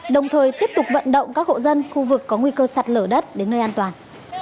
đồng thời tiếp tục vận động các hộ dân khu vực có nguy cơ sạt lở đất đến nơi an toàn